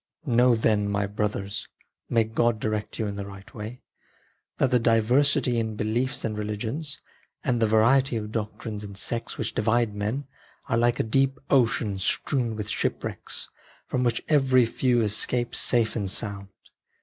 Know then, my brothers (may God direct you in the right way), that the diversity in beliefs and religions, and the variety of doctrines and sects which divide men, are like a deep ocean strewn with shipwrecks, from which very few escape safe and sound.